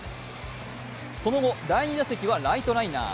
その後、第２打席はライトライナー。